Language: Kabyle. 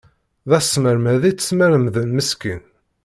D asmermed i tt-smermden meskint.